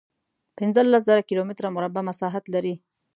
پنځلس زره کیلومتره مربع مساحت لري.